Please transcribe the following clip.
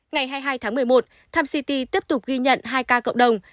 ngày hai mươi hai tháng một mươi một tim city tiếp tục ghi nhận hai ca cộng đồng